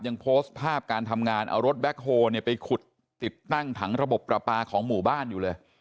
ยังโพสต์ภาพการทำงานเอารถแบ็คโฮลไปขุดติดตั้งถังระบบประปาของหมู่บ้านอยู่เลย